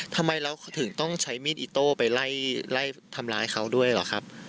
ทำไมเราถึงต้องใช้มีดอิโต้ไปไล่ทำร้ายเขาด้วยเหรอครับ